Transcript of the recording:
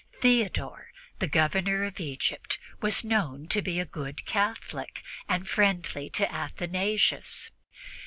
Theodore, the Governor of Egypt, was known to be a good Catholic and friendly to Athanasius.